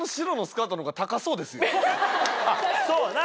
そうだな。